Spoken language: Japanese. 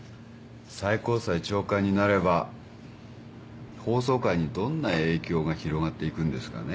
最高裁長官になれば法曹界にどんな影響が広がっていくんですかね。